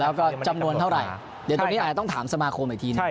แล้วก็จำนวนเท่าไหร่เดี๋ยวตรงนี้อาจจะต้องถามสมาคมอีกทีหนึ่ง